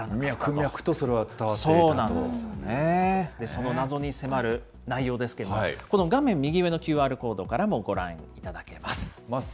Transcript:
その謎に迫る内容ですけれども、この画面右上のＱＲコードからもご覧いただけます。